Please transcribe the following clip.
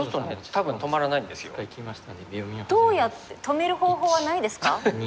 どうやって止める方法はないですか？